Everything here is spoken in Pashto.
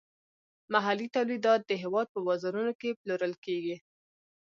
محلي تولیدات د هیواد په بازارونو کې پلورل کیږي.